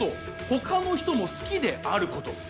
他の人も好きであること